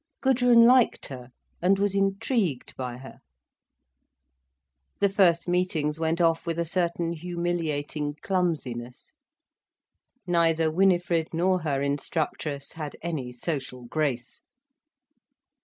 Gudrun liked her and was intrigued by her. The first meetings went off with a certain humiliating clumsiness. Neither Winifred nor her instructress had any social grace.